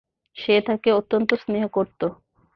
সে তাকে অত্যন্ত স্নেহ করত।